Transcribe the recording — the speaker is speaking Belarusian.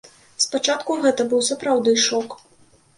Спачатку гэта быў сапраўдны шок!